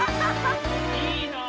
いいなあ。